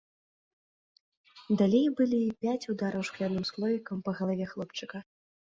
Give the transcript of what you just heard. Далей былі пяць удараў шкляным слоікам па галаве хлопчыка.